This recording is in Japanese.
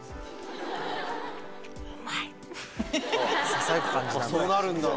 ささやく感じになるんだ。